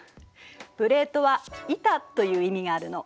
プレートは「板」という意味があるの。